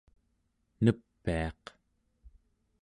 nepiaq